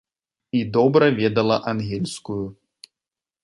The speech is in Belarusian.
І добра ведала ангельскую.